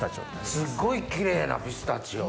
すっごいキレイなピスタチオ。